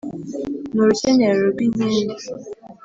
Ni urukenyerero rw'inkindi,